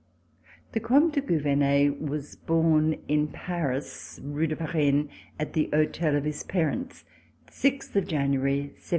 The Comte de Gouvernet was born in Paris, Rue de Varenne, at the hotel of his parents, the 6 January 1759.